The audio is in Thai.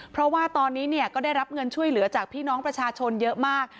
เพราะว่าตอนนี้ก็ได้รับเงินช่วยเหลือจากพี่น้องประชาชนเยอะมาก